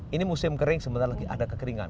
ini musim kering sebentar lagi ada kekeringan